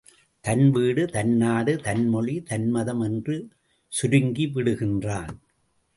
தன் வீடு, தன் நாடு, தன் மொழி, தன் மதம் என்று சுருங்கி விடுகின்றான்.